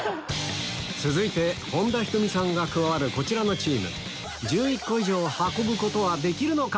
続いて本田仁美さんが加わるこちらのチーム１１個以上運ぶことはできるのか？